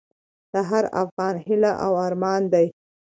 د هر افغان هیله او ارمان دی؛